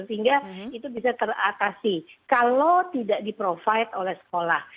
sehingga itu bisa teratasi kalau tidak di provide oleh sekolah